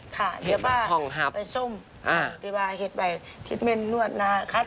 ค่ะเดี๋ยวป้าไปส้มตีบ่าเห็ดไปทิศเม่นนวดนะครับ